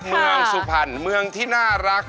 เมืองสุพรรณเมืองที่น่ารัก